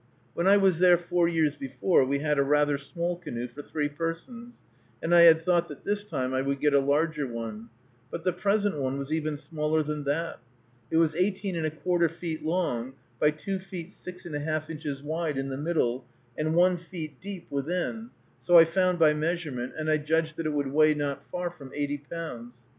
When I was there four years before, we had a rather small canoe for three persons, and I had thought that this time I would get a larger one, but the present one was even smaller than that. It was 18¼ feet long by 2 feet 6½ inches wide in the middle, and one foot deep within, so I found by measurement, and I judged that it would weigh not far from eighty pounds.